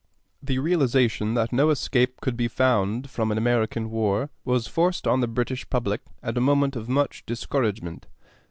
The realization that no escape could be found from an American war was forced on the British public at a moment of much discouragement.